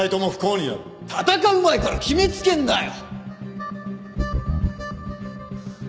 戦う前から決めつけんなよ！